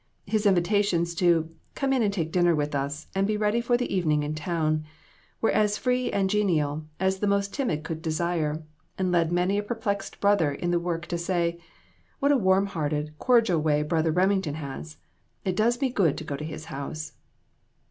His invitations to "come in and take dinner with us, and be ready for the evening in town," were as free and genial as the most timid could desire, and led many a perplexed brother in the work to say "What a warm hearted, cordial way Brother Rem ington has ! It does me good to go to his house."